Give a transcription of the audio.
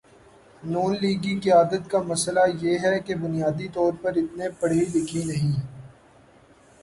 نون لیگی قیادت کا مسئلہ یہ ہے کہ بنیادی طور پہ اتنے پڑھی لکھی نہیں۔